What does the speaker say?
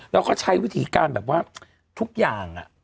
แล้วก็ใช้วิธีการแบบว่าทุกอย่าง